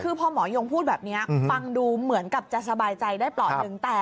คือพอหมอยงพูดแบบนี้ฟังดูเหมือนกับจะสบายใจได้เปราะหนึ่ง